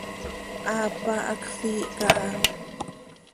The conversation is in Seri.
Aapa, hacx siih caha.